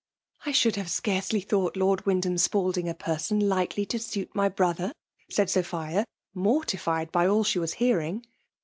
'' I should have scarcely thought Lord. Wyndham Spalding a person likely to suit my brother," said Sophia, mortified by all/she was hearing.